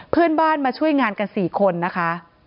เพื่อนบ้านมาช่วยงานกัน๔คนนะคะ